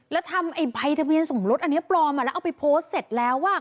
แล้วทำไอ้ใบทะเบียนสมรสอันนี้ปลอมอ่ะแล้วเอาไปโพสต์เสร็จแล้วอ่ะ